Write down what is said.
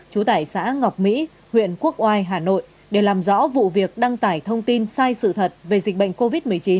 học mỹ huyện quốc oai hà nội để làm rõ vụ việc đăng tải thông tin sai sự thật về dịch bệnh covid một mươi chín